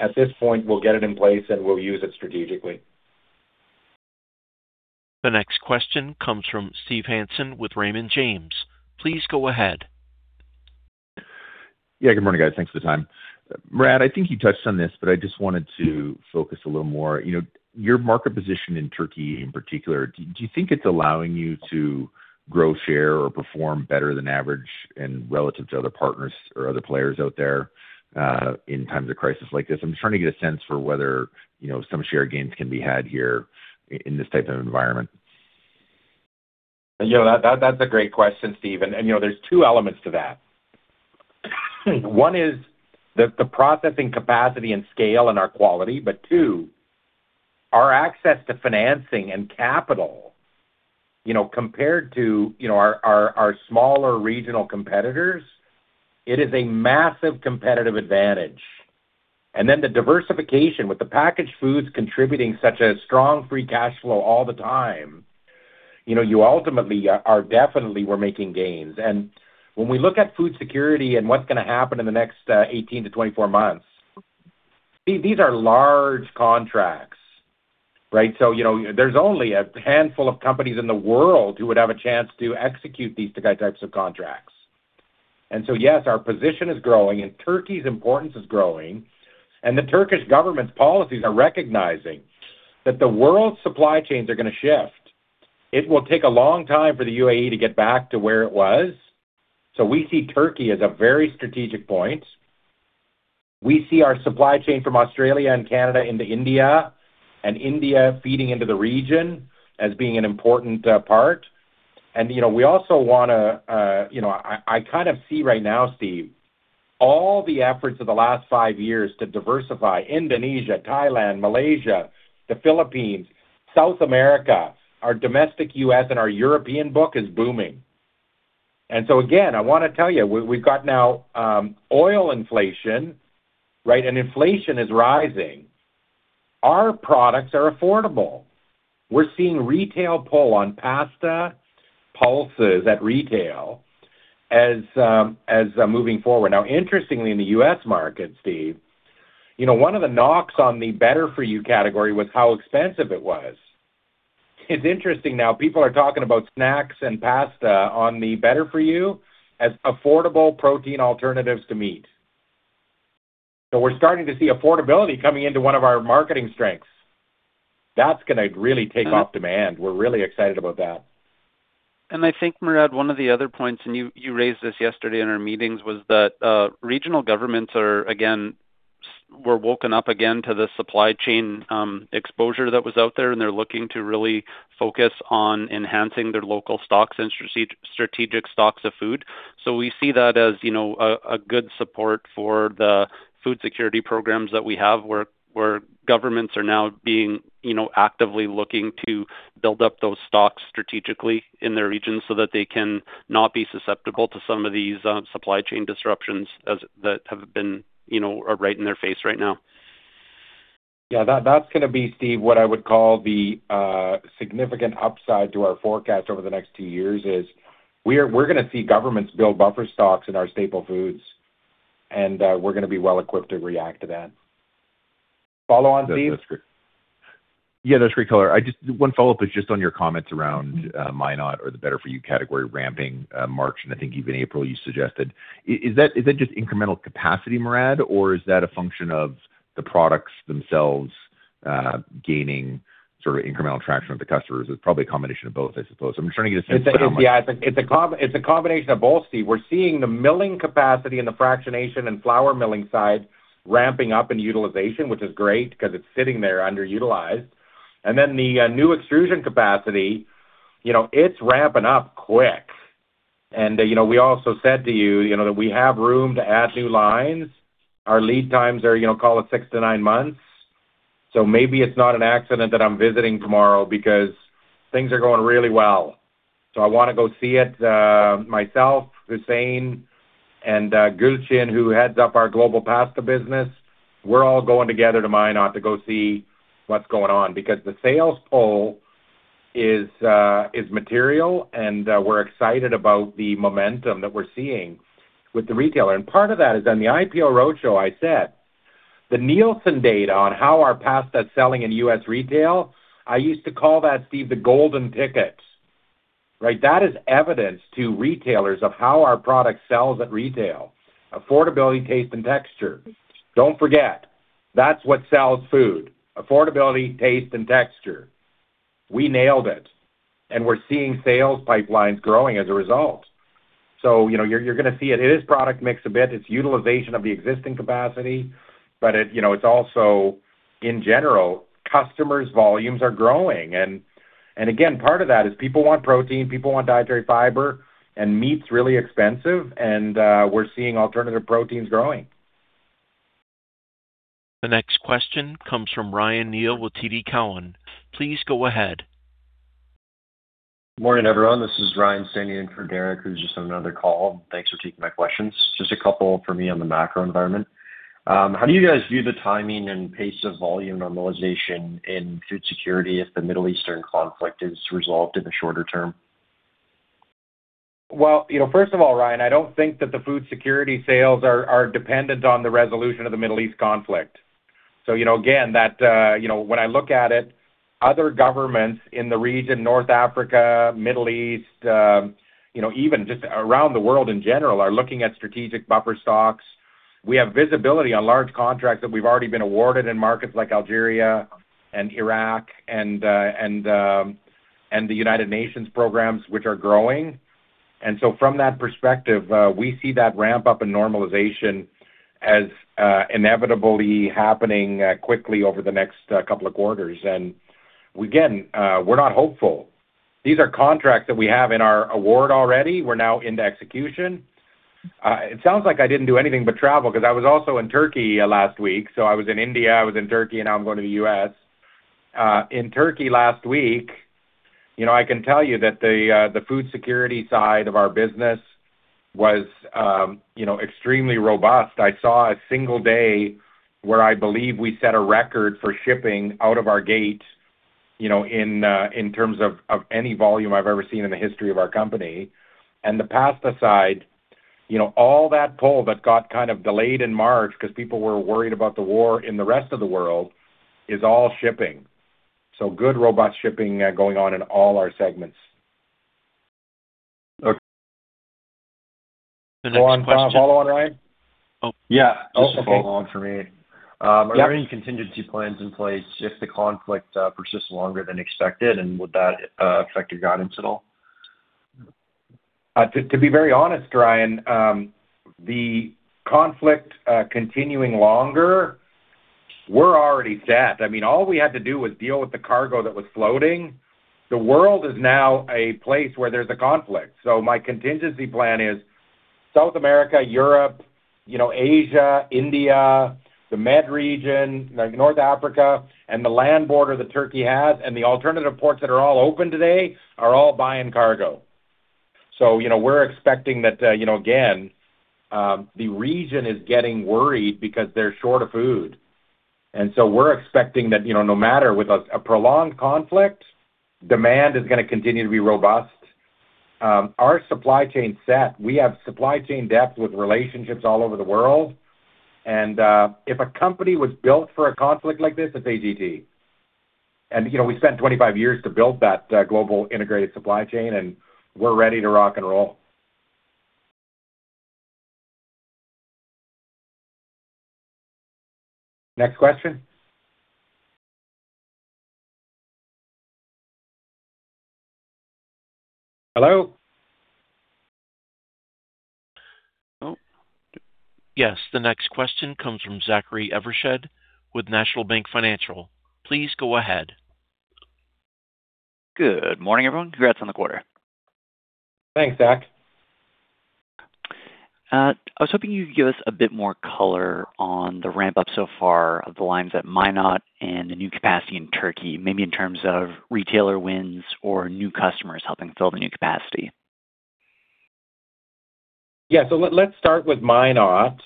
at this point, we'll get it in place and we'll use it strategically. The next question comes from Steve Hansen with Raymond James. Please go ahead. Yeah. Good morning, guys. Thanks for the time. Murad, I think you touched on this, but I just wanted to focus a little more. You know, your market position in Turkey in particular, do you think it's allowing you to grow, share or perform better than average and relative to other partners or other players out there in times of crisis like this? I'm just trying to get a sense for whether, you know, some share gains can be had here in this type of environment. You know, that's a great question, Steve. You know, there's two elements to that. One is the processing capacity and scale and our quality, but two, our access to financing and capital, you know, compared to, you know, our smaller regional competitors, it is a massive competitive advantage. Then the diversification with the packaged foods contributing such a strong free cash flow all the time, you know, you ultimately are definitely we're making gains. When we look at food security and what's gonna happen in the next 18-24 months, these are large contracts, right? You know, there's only a handful of companies in the world who would have a chance to execute these types of contracts. Yes, our position is growing and Turkey's importance is growing, and the Turkish government's policies are recognizing that the world's supply chains are gonna shift. It will take a long time for the UAE to get back to where it was. We see Turkey as a very strategic point. We see our supply chain from Australia and Canada into India, and India feeding into the region as being an important part. You know, we also wanna, you know I kind of see right now, Steve, all the efforts of the last five years to diversify Indonesia, Thailand, Malaysia, the Philippines, South America, our domestic U.S. and our European book is booming. Again, I wanna tell you, we've got now, oil inflation, right? Inflation is rising. Our products are affordable. We're seeing retail pull on pasta, pulses at retail as moving forward. Interestingly, in the U.S. market, Steve, you know, one of the knocks on the Better For You category was how expensive it was. It's interesting now people are talking about snacks and pasta on the Better For You as affordable protein alternatives to meat. We're starting to see affordability coming into one of our marketing strengths. That's gonna really take up demand. We're really excited about that. I think, Murad, one of the other points, and you raised this yesterday in our meetings, was that regional governments are, again, were woken up again to the supply chain exposure that was out there, and they're looking to really focus on enhancing their local stocks and strategic stocks of food. We see that as, you know, a good support for the food security programs that we have, where governments are now being, you know, actively looking to build up those stocks strategically in their region so that they can not be susceptible to some of these supply chain disruptions that have been, you know, are right in their face right now. Yeah, that's gonna be, Steve Hansen, what I would call the significant upside to our forecast over the next two years, is we're gonna see governments build buffer stocks in our staple foods, and we're gonna be well equipped to react to that. Follow on, Steve. That's great. Yeah, that's great color. One follow-up is just on your comments around the Better For You category ramping March, and I think even April, you suggested. Is that just incremental capacity, Murad, or is that a function of the products themselves gaining sort of incremental traction with the customers? It's probably a combination of both, I suppose. I'm trying to get It's a combination of both, Steve. We're seeing the milling capacity and the fractionation and flour milling side ramping up in utilization, which is great because it's sitting there underutilized. Then the new extrusion capacity, you know, it's ramping up quick. You know, we also said to you know, that we have room to add new lines. Our lead times are, you know, call it six to nine months. Maybe it's not an accident that I'm visiting tomorrow because things are going really well. I wanna go see it myself, Huseyin, and Gulcin, who heads up our Global Pasta Business. We're all going together to Minot to go see what's going on because the sales pull is material, and we're excited about the momentum that we're seeing with the retailer. Part of that is on the IPO roadshow I said the Nielsen data on how our pasta is selling in U.S. retail, I used to call that, Steve, the golden ticket, right? That is evidence to retailers of how our product sells at retail. Affordability, taste, and texture. Don't forget, that's what sells food: affordability, taste, and texture. We nailed it, and we're seeing sales pipelines growing as a result. You know, you're gonna see it. It is product mix a bit. It's utilization of the existing capacity. It, you know, it's also in general, customers' volumes are growing. Again, part of that is people want protein, people want dietary fiber, and meat's really expensive, and we're seeing alternative proteins growing. The next question comes from Ryan Neal with TD Cowen. Please go ahead. Morning, everyone. This is Ryan standing in for Derrick, who's just on another call. Thanks for taking my questions. Just a couple for me on the macro environment. How do you guys view the timing and pace of volume normalization in food security if the Middle Eastern conflict is resolved in the shorter term? Well, you know, first of all, Ryan, I don't think that the food security sales are dependent on the resolution of the Middle East conflict. You know, again, that, you know, when I look at it, other governments in the region, North Africa, Middle East, you know, even just around the world in general, are looking at strategic buffer stocks. We have visibility on large contracts that we've already been awarded in markets like Algeria and Iraq and the United Nations programs, which are growing. From that perspective, we see that ramp up in normalization as inevitably happening quickly over the next couple of quarters. Again, we're not hopeful. These are contracts that we have in our award already. We're now into execution. It sounds like I didn't do anything but travel 'cause I was also in Turkey last week. I was in India, I was in Turkey, and now I'm going to the U.S. In Turkey last week, you know, I can tell you that the food security side of our business was, you know, extremely robust. I saw a single day where I believe we set a record for shipping out of our gate, you know, in terms of any volume I've ever seen in the history of our company. The pasta side, you know, all that pull that got kind of delayed in March 'cause people were worried about the war and the rest of the world is all shipping. Good robust shipping, going on in all our segments. Okay. The next question- Go on. Follow on, Ryan? Yeah. Okay. Just a follow on for me. Yeah. Are there any contingency plans in place if the conflict persists longer than expected, and would that affect your guidance at all? To be very honest, Ryan, the conflict continuing longer, we're already set. I mean, all we had to do was deal with the cargo that was floating. The world is now a place where there's a conflict. My contingency plan is South America, Europe, you know, Asia, India, the Med region, like North Africa, and the land border that Turkey has and the alternative ports that are all open today are all buying cargo. You know, we're expecting that, you know, again, the region is getting worried because they're short of food. We're expecting that, you know, no matter with a prolonged conflict, demand is gonna continue to be robust. Our supply chain's set. We have supply chain depth with relationships all over the world. If a company was built for a conflict like this, it's AGT. You know, we spent 25 years to build that global integrated supply chain, and we're ready to rock and roll. Next question. Hello? Yes. The next question comes from Zachary Evershed with National Bank Financial. Please go ahead. Good morning, everyone. Congrats on the quarter. Thanks, Zach. I was hoping you could give us a bit more color on the ramp up so far of the lines at Minot and the new capacity in Turkey, maybe in terms of retailer wins or new customers helping fill the new capacity. Let's start with Minot.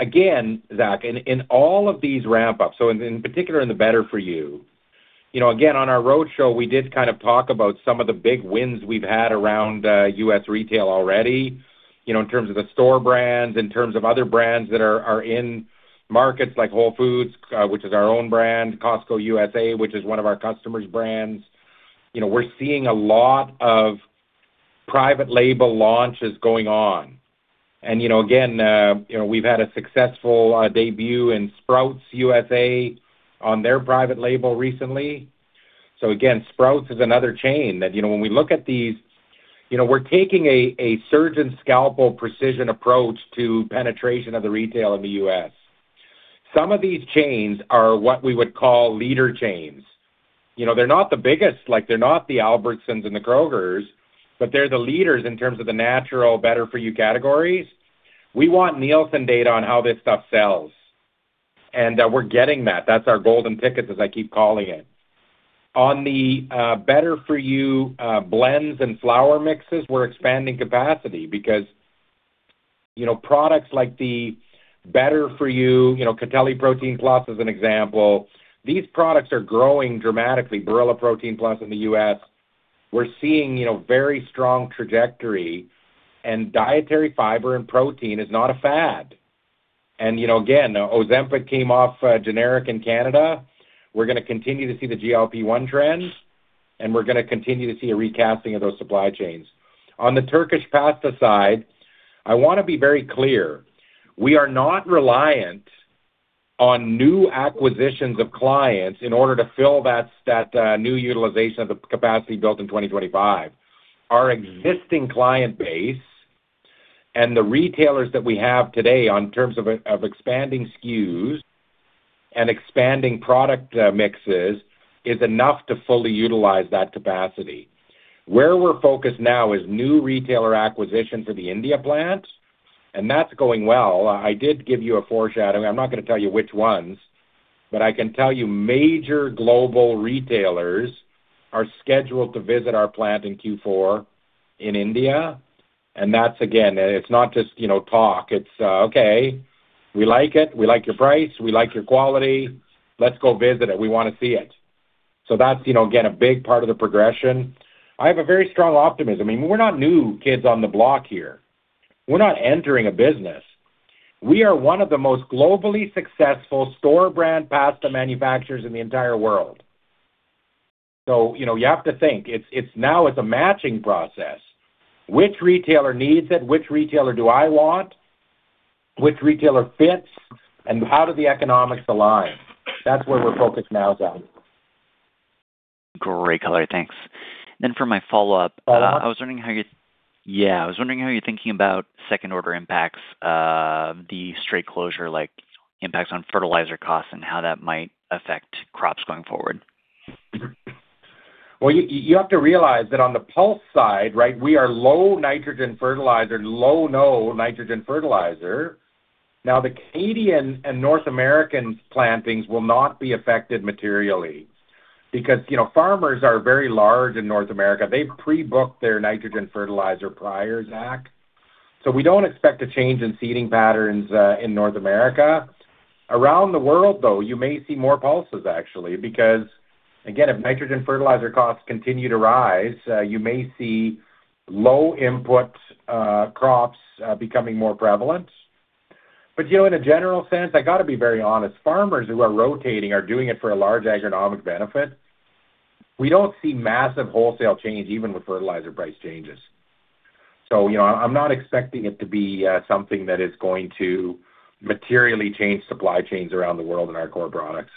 Again, Zach, in all of these ramp-ups, in particular in the Better For You, you know, again, on our roadshow, we did kind of talk about some of the big wins we've had around U.S. retail already, you know, in terms of the store brands, in terms of other brands that are in markets like Whole Foods, which is our own brand, Costco USA, which is one of our customers' brands. You know, we're seeing a lot of private label launches going on. You know, again, you know, we've had a successful debut in Sprouts USA on their private label recently. Again, Sprouts is another chain that, you know, when we look at these, you know, we're taking a surgeon scalpel precision approach to penetration of the retail in the U.S. Some of these chains are what we would call leader chains. You know, they're not the biggest, like they're not the Albertsons and the Kroger, but they're the leaders in terms of the natural Better For You categories. We want Nielsen data on how this stuff sells, and we're getting that. That's our golden ticket, as I keep calling it. On the Better For You blends and flour mixes, we're expanding capacity because, you know, products like the Better For You, you know, Catelli Protein+, as an example, these products are growing dramatically. Barilla Protein+ in the U.S., we're seeing, you know, very strong trajectory, and dietary fiber and protein is not a fad. You know, again, Ozempic came off generic in Canada. We're gonna continue to see the GLP-1 trend, and we're gonna continue to see a recasting of those supply chains. On the Turkish pasta side, I wanna be very clear. We are not reliant on new acquisitions of clients in order to fill that new utilization of the capacity built in 2025. Our existing client base and the retailers that we have today on terms of expanding SKUs and expanding product mixes is enough to fully utilize that capacity. Where we're focused now is new retailer acquisition for the India plant, and that's going well. I did give you a foreshadowing. I'm not gonna tell you which ones, but I can tell you major global retailers are scheduled to visit our plant in Q4 in India. That's again, it's not just, you know, talk. It's, "Okay, we like it. We like your price. We like your quality. Let's go visit it. We wanna see it." That's, you know, again, a big part of the progression. I have a very strong optimism. I mean, we're not new kids on the block here. We're not entering a business. We are one of the most globally successful store brand pasta manufacturers in the entire world. You know, you have to think it's now it's a matching process. Which retailer needs it? Which retailer do I want? Which retailer fits? How do the economics align? That's where we're focused now, Zach. Great, Harley. Thanks. Then for my follow-up, I was wondering how you're thinking about second order impacts of the Strait closure, like impacts on fertilizer costs and how that might affect crops going forward? You have to realize that on the pulse side, right, we are low nitrogen fertilizer, low, no nitrogen fertilizer. The Canadian and North American plantings will not be affected materially because, you know, farmers are very large in North America. They've pre-booked their nitrogen fertilizer prior, Zach. We don't expect a change in seeding patterns in North America. Around the world, though, you may see more pulses actually, because again, if nitrogen fertilizer costs continue to rise, you may see low input crops becoming more prevalent. You know, in a general sense, I gotta be very honest, farmers who are rotating are doing it for a large agronomic benefit. We don't see massive wholesale change even with fertilizer price changes. You know, I'm not expecting it to be something that is going to materially change supply chains around the world in our core products.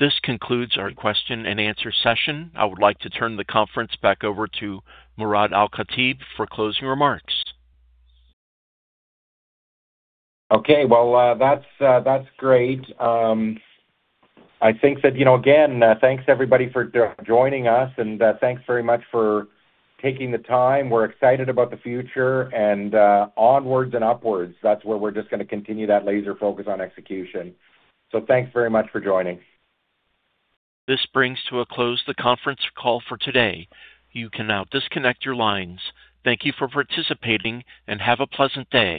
This concludes our question-and-answer session. I would like to turn the conference back over to Murad Al-Katib for closing remarks. Okay. Well, that's great. I think that, you know, again, thanks everybody for joining us, and, thanks very much for taking the time. We're excited about the future and, onwards and upwards. That's where we're just gonna continue that laser focus on execution. Thanks very much for joining. This brings to a close the conference call for today. You can now disconnect your lines. Thank you for participating and have a pleasant day.